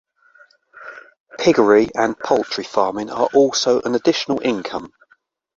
Piggery and poultry farming are also an additional income.